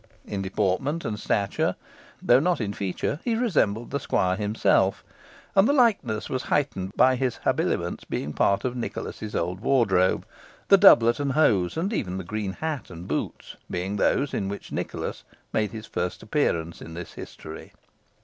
In deportment and stature, though not in feature, he resembled the squire himself; and the likeness was heightened by his habiliments being part of Nicholas's old wardrobe, the doublet and hose, and even the green hat and boots, being those in which Nicholas made his first appearance in this history.